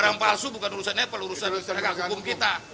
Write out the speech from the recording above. barang palsu bukan urusan apple urusan penegakan hukum kita